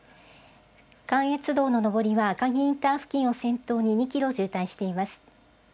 関越道の上りは赤城インター付近を先頭に２キロ渋滞しています。